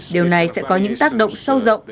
điều này sẽ có những tác động sâu rộng